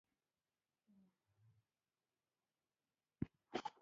سېرېنا او دوه تنه منډلي ځوانان کېوتل.